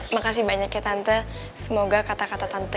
makasih banyak ya tante semoga kata kata tante